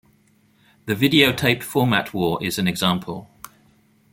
The videotape format war is an example.